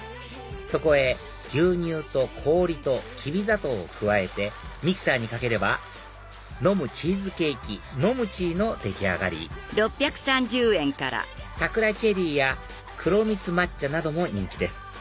そこへ牛乳と氷とキビ砂糖を加えてミキサーにかければ飲むチーズケーキ飲むチーの出来上がりさくらチェリーや黒蜜抹茶なども人気です